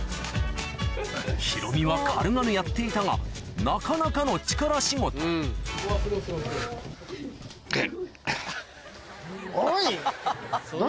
ヒロミは軽々やっていたがなかなかの力仕事ふっぐっ。